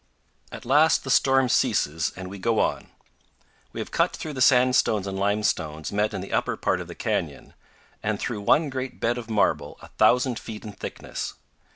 At last the storm ceases and we go on. We have cut through the sandstones and limestones met in the upper part of the canyon, and through one great bed of marble a thousand feet in thickness.